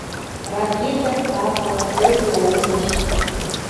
Ракетӹм пакы, тӹлзӹ онгыш!